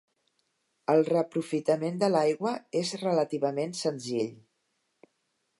El reaprofitament de l'aigua és relativament senzill.